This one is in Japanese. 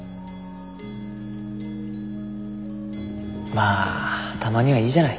まあたまにはいいじゃない。